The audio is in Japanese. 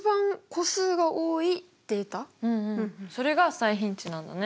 それが最頻値なんだね。